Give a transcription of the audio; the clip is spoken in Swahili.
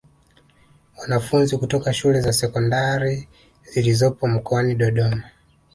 Wanafunzi kutoka shule za Sekondari zilizopo mkoani Dodoma